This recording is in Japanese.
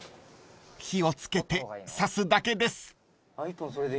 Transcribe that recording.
［火を付けてさすだけです］